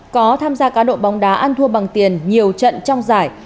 có tham gia cá độ bóng đá ăn thua bằng tiền nhiều trận trong giải